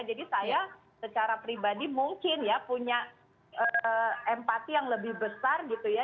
saya secara pribadi mungkin ya punya empati yang lebih besar gitu ya